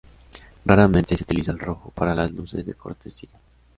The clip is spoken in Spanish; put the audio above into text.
Raramente se utiliza el rojo para las luces de cortesía.